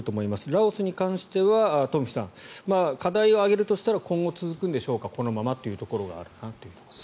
ラオスに関しては、東輝さん課題を挙げるとしたら今後、続くんでしょうかこのままというところがあるのかなと。